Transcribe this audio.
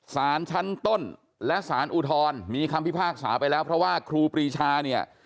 สารชั้นต้นและสารอุทธรณ์มีคำพิพากษาไปแล้วเพราะว่าครูปรีชาเนี่ย